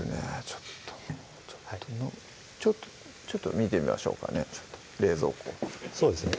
ちょっとちょっとちょっと見てみましょうかね冷蔵庫そうですね